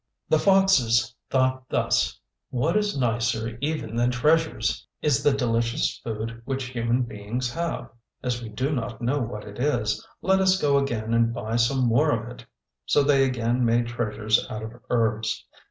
The foxes, thought thus: "What is nicer even than treasures is the delicious food which human beings have. As we do not know what it is, let us go again and buy some more of it." So they again made treasures out of herbs.